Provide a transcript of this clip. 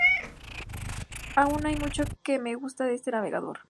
Aún hay mucho que me gusta de este navegador..."